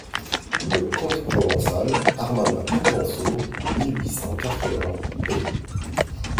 Le conte provençal (_Armana prouvençau_, mille huit cent quatre-vingts, p.